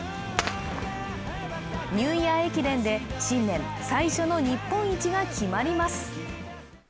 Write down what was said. ニューイヤー駅伝で新年最初の日本一が決まります。